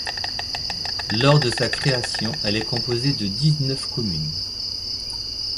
Lors de sa création, elle est composée de dix-neuf communes.